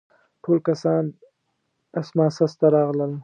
ټول کسان اسماس ته راغلل.